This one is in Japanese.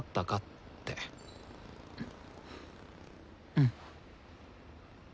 うん。